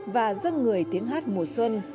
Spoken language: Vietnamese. và dân người tiếng hát mùa xuân